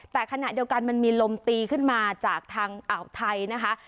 แต่ขณะเดียวกันมันมีลมตีขึ้นมาจากทางอ่าวไทยนะคะ